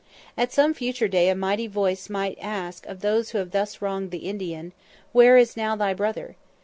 At some future day a mighty voice may ask of those who have thus wronged the Indian, "Where is now thy brother?"